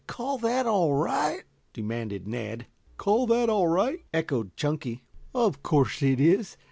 Call that all right?" demanded Ned. "Call that all right?" echoed Chunky. "Of course it is.